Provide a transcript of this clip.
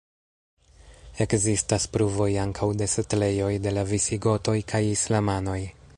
Ekzistas pruvoj ankaŭ de setlejoj de la visigotoj kaj islamanoj.